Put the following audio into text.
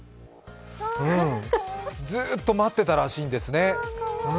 うん、ずーっと待ってたらしいんですね。